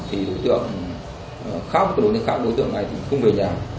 thì đối tượng khác của đối tượng này thì không về nhà